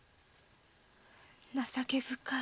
情け深い。